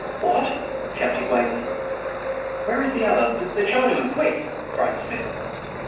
"What!" shouted Weymouth. "Where is the other the Chinaman quick!" cried Smith.